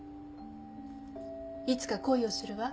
いつか恋をするわ